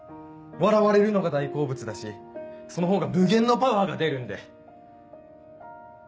笑われるのが大好物だしそのほうが無限のパワーが出るんで。